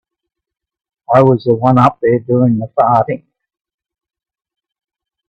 I was the one up there doing the farting.